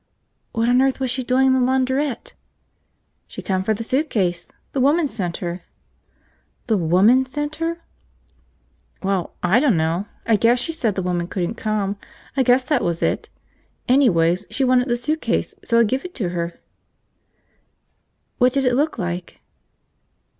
"What on earth was she doing in the launderette?" "She come for the suitcase. The woman sent her." "The woman sent her?" "Well, I dunno, I guess she said the woman couldn't come, I guess that was it. Anyways, she wanted the suitcase so I give it to her." "What did it look like?"